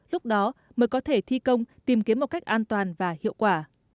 lúc đó mới có thể thi công tìm kiếm một cách an toàn và hiệu quả